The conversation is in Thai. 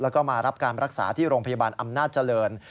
แล้วก็มารับการรักษาที่โรงพยาบาลอำนาจเจริญ